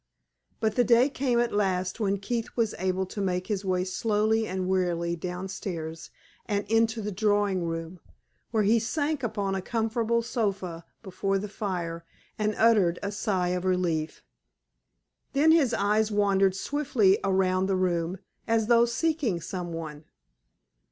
But the day came at last when Keith was able to make his way slowly and wearily down stairs and into the drawing room, where he sank upon a comfortable sofa before the fire and uttered a sigh of relief. Then his eyes wandered swiftly around the room, as though seeking some one.